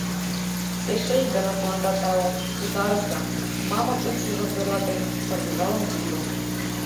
— Эше ик гана тыланда тау, утарышда, — мамык упшыжым тӧрлатен, шыргыжалын тудо.